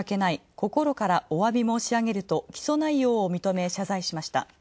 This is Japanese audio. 心からお詫び申し上げると起訴内容を認め謝罪しました。